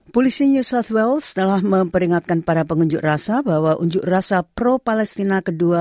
polisi new south wales telah memperingatkan para pengunjuk rasa bahwa unjuk rasa pro palestina ii